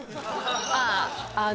ああ